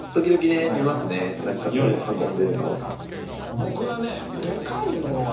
僕はね。